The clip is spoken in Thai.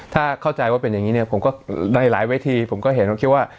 ถ้าเข้าใจว่าเป็นอย่างนี้เนี่ยผมก็ในหลายเวทีผมก็เห็นผมคิดว่า